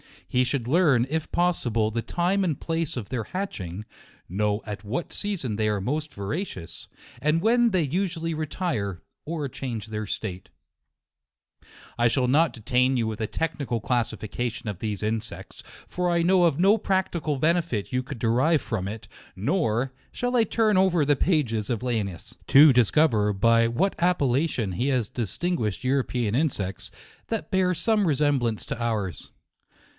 He should learn, if possible. 120 JUNE. the time and place of their hatching ; know at what season they are most voracious, and when they usually retire, or change their state, I shall not detain you with a technical clas sification of these insects, for I know of no practical benefit you couid derive from it : nor shall I turn over the pages of Linnaeus, to dis cover by what appellation he has distinguish ed European insects, that bear some resem blance to ours.